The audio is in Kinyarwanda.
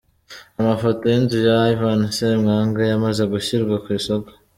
Amafoto y’inzu ya Ivan Ssemwanga yamaze gushyirwa ku Isoko:.